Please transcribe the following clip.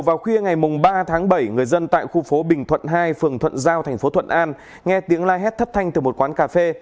vào khuya ngày ba tháng bảy người dân tại khu phố bình thuận hai phường thuận giao thành phố thuận an nghe tiếng la hét thất thanh từ một quán cà phê